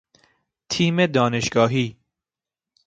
تیم دانشگاهی